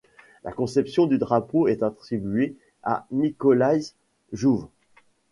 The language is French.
La conception du drapeau est attribué à Nicolaas Jouwe.